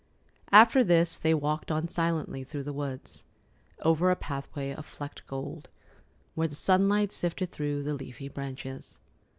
After this they walked on silently through the woods, over a pathway of flecked gold, where the sunlight sifted through the leafy branches.